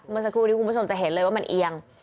เมื่อสักครู่ที่คุณผู้ชมจะเห็นเลยว่ามันเอียง